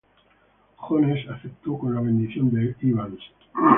Jones aceptó, con la bendición de Evans.